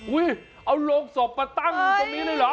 อุ๊ยเอาโรงศพมาตั้งตรงนี้เลยเหรอ